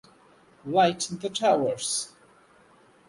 Light the towers.